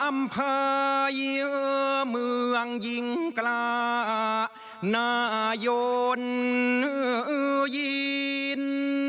อ่าอำไพยเมืองยิงกล้านายนยิน